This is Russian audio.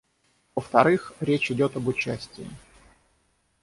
Во-вторых, речь идет об участии.